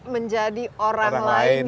menjadi orang lain